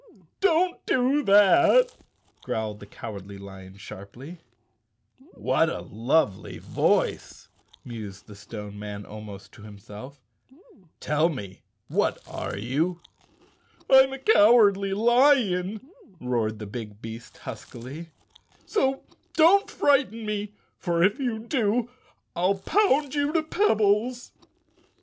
" Don't do that," growled the Cowardly Lion sharply. " What a lovely voice," mused the Stone Man almost to himself. "Tell me, what are you?" "I'm a Cowardly Lion," roared the big beast huskily, " so don't frighten me, for if you do I'll pound you to pebbles."